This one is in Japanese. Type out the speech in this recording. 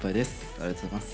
ありがとうございます。